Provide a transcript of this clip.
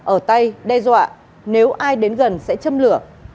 ở tay đe dọa nếu ai đến gần sẽ châm lửa